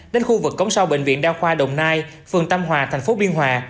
đến khu vực cống sau bệnh viện đa khoa đồng nai phường tâm hòa thành phố biên hòa